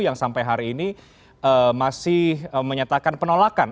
yang sampai hari ini masih menyatakan penolakan